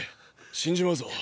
死んじまうぞ。